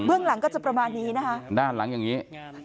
เบื้องหลังก็จะประมาณนี้ค่ะนะครับด้านหลังอย่างนี้ค่ะ